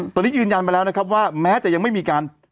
ตอนนี้ยืนยันมาแล้วนะครับว่าแม้จะยังไม่มีการ